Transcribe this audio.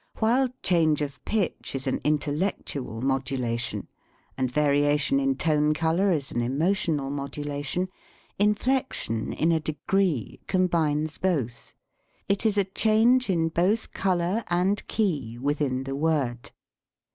While change of pitch is an intellectual modulation, and varia tion in tone color is an emotional modulation, inflection, in a degree, combines both. It is a change in both color and key within the word.